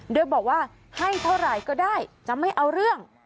โดยบอกว่าให้เท่าไหร่ก็ได้จะไม่เอาเรื่อง